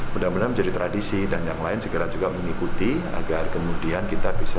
mudah mudahan menjadi tradisi dan yang lain segera juga mengikuti agar kemudian kita bisa